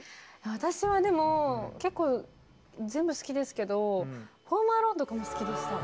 私はでも結構全部好きですけど「ホーム・アローン」とかも好きでした。